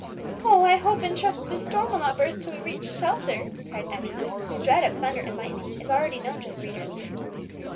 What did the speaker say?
"Oh, I hope and trust that the storm will not burst till we reach shelter!" cried Emmie, whose dread of thunder and lightning is already known to the reader.